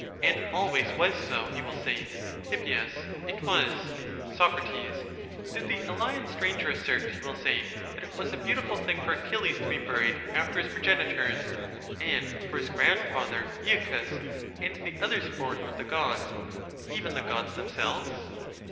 And always was so, he will say. Hip. It was. Soc. Did the Elean stranger assert, he will say, that it was a beautiful thing for Achilles to be buried after his proge nitors, and for his grandfather Avacus, and the others born of the gods, and even the gods themselves